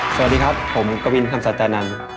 สวัสดีครับผมกะวินคำสัตย์จานันท์